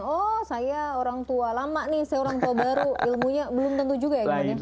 oh saya orang tua lama nih saya orang tua baru ilmunya belum tentu juga ya gimana